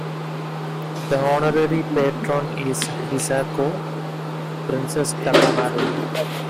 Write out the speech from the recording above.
The Honorary Patron is Hisako, Princess Takamado.